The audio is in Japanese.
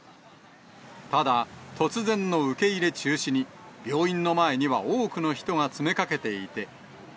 ただ、突然の受け入れ中止に、病院の前には多くの人が詰めかけていて。